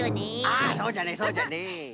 ああそうじゃねそうじゃね。